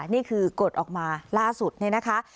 นี่คือกฎออกมาล่าสุดนี่นะคะ